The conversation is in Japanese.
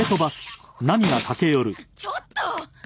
ちょっと！